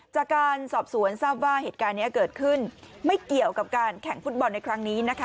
จากการสอบสวนทราบว่าเหตุการณ์นี้เกิดขึ้นไม่เกี่ยวกับการแข่งฟุตบอลในครั้งนี้นะคะ